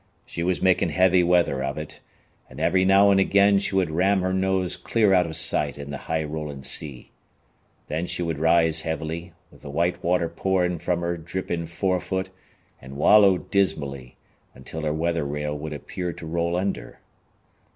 She was making heavy weather of it, and every now and again she would ram her nose clear out of sight in the high rolling sea. Then she would rise heavily, with the white water pouring from her dripping forefoot and wallow dismally, until her weather rail would appear to roll under.